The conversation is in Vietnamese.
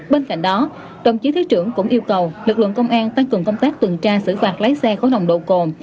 bên cạnh đó tổng chí thứ trưởng cũng yêu cầu lực lượng công an tăng cường công tác tuần tra sử phạt lái xe khối nồng độ cồn